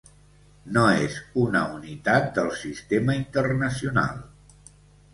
No és una unitat del Sistema Internacional.